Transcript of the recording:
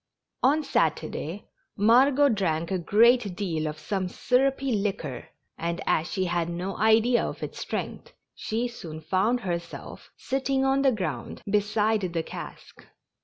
On Saturday Margot drank a great deal of some syrupy liquor, and, as she had no idea of its strength, she soon found herself sitting on the ground beside the cask.